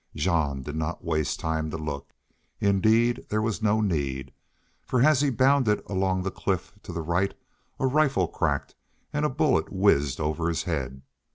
Jean did not waste time to look. Indeed, there was no need, for as he bounded along the cliff to the right a rifle cracked and a bullet whizzed over his head.